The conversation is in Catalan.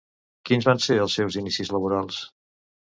Quins van ser els seus inicis laborals?